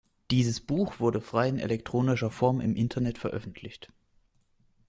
Dieses Buch wurde frei in elektronischer Form im Internet veröffentlicht.